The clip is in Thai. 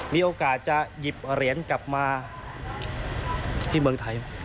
มีโอกาสจะหยิบเหรียญกลับมาที่เมืองไทย